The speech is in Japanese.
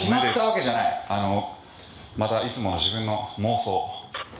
あのまたいつもの自分の妄想。